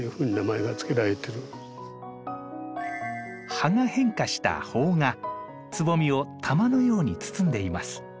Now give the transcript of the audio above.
葉が変化した苞がつぼみを玉のように包んでいます。